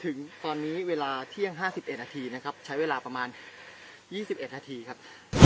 ถึงตอนนี้เวลาเที่ยง๕๑นาทีนะครับใช้เวลาประมาณ๒๑นาทีครับ